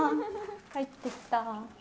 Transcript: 帰ってきた。